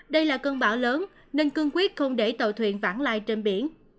đây là cơn bão lớn nên cương quyết không để tàu thuyền vãn lai trên biển